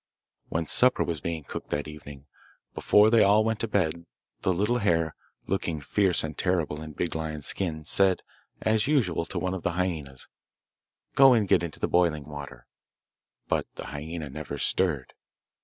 When supper was being cooked that evening, before they all went to bed, the little hare, looking fierce and terrible in Big Lion's skin, said as usual to one of the hyaenas 'Go and get into the boiling water.' But the hyaena never stirred.